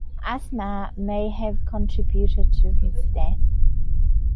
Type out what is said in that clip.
Asthma may have contributed to his death.